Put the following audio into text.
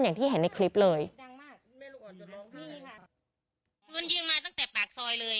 อย่างที่เห็นในคลิปเลยแม่ลูกอ่อนจะร้องที่นี่ค่ะเพื่อนยิงมาตั้งแต่ปากซอยเลย